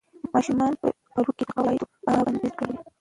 ماشومان په لوبو کې د قواعدو پابندۍ زده کوي.